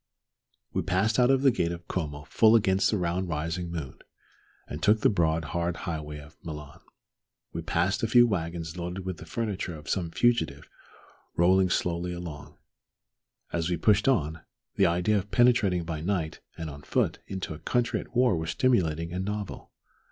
We passed out of the gate of Como full against the round rising moon, and took the broad hard highway for Milan. We passed a few wagons loaded with the furniture of some fugitive rolling slowly along. As we pushed on, the idea of penetrating by night and on foot into a country at war was stimulating and novel.